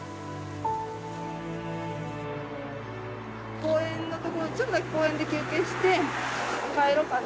公園のところちょっとだけ公園で休憩して帰ろうかな。